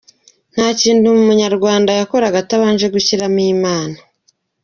Nta kintu umunyarwanda yakoraga atabanje gushyiramo Imana.